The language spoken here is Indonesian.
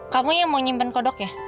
kamu yang mau nyimpen kodoknya